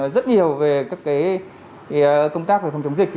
rất nhiều về các công tác về phòng chống dịch